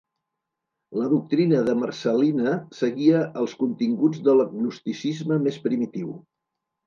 La doctrina de Marcel·lina seguia els continguts del gnosticisme més primitiu.